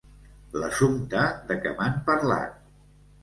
L'assumpte de què m'han parlat.